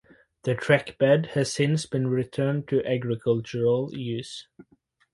The trackbed has since been returned to agricultural use.